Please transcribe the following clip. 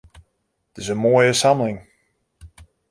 It is in moaie samling.